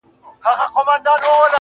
ځوان لگيا دی,